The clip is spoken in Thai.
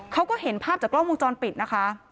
เขาก็เห็นภาพจากกล้องวงจรปิดนะคะ